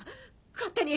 勝手に。